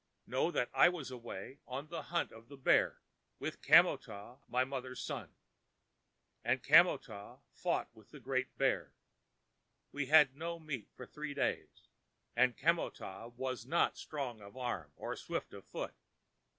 Know that I was away on the hunt of the bear, with Kamo tah, my mother's son. And Kamo tah fought with a great bear. We had no meat for three days, and Kamo tah was not strong of arm nor swift of foot.